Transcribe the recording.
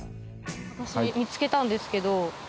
私見つけたんですけど。